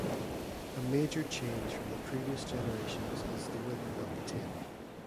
A major change from the previous generations is the width of the tape.